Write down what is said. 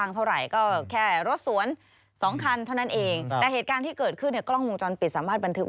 ใช่ค่ะเป็นคลิปเกิดขึ้นในซอยหนึ่ง